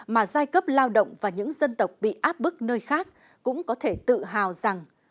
mà giai cấp lao động và những dân tộc bị áp bức nơi khác cũng có thể tự hào rằng